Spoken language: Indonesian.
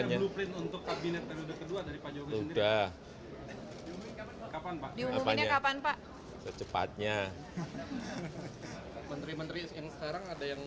yang mudanya lebih banyak dari partai politik atau dari mana